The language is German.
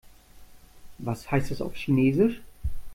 Was heißt das auf Chinesisch?